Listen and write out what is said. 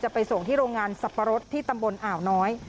ไปส่งที่โรงงานสับปะรดที่ตำบลอ่าวน้อย